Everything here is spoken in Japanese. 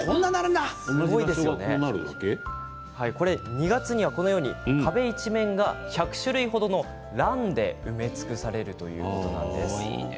２月には、このように壁一面が、１００種類程のランで埋め尽くされるということなんです。